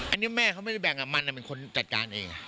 อันนี้แม่เขาไม่ได้แบ่งกับมันเป็นคนจัดการเอง